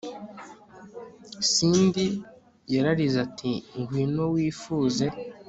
cindy! yararize ati 'ngwino wifuze